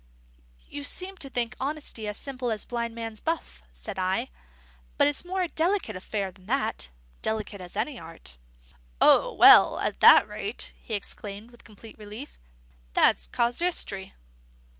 "You seem to think honesty as simple as Blind Man's Buff," said I. "It's a more delicate affair than that: delicate as any art." "O well! at that rate!" he exclaimed, with complete relief. "That's casuistry."